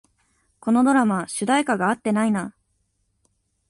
このドラマ、主題歌が合ってないな